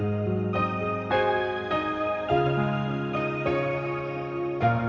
ini adalah cincin mendiang mama kamu